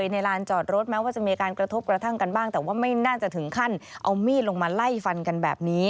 ลานจอดรถแม้ว่าจะมีการกระทบกระทั่งกันบ้างแต่ว่าไม่น่าจะถึงขั้นเอามีดลงมาไล่ฟันกันแบบนี้